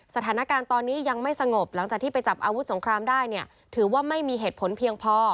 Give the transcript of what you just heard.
สถานการณ์ตอนนี้ยังไม่สงบหลังจากที่ไปจับอาวุธสงครามได้เนี่ยถือว่าไม่มีเหตุผลเพียงพอ